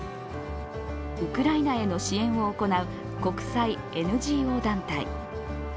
ウクライナへの支援を行う国際ＮＧＯ団体。